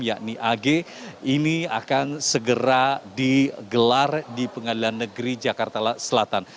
yakni ag ini akan segera digelar di pengadilan negeri jakarta selatan